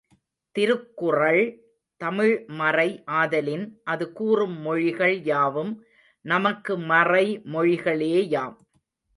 திருக்குறள் தமிழ் மறை ஆதலின், அது கூறும் மொழிகள் யாவும் நமக்கு மறை மொழிகளேயாம்.